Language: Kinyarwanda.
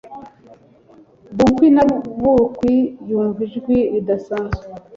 Bukwi na bukwi, yumva ijwi ridasanzwe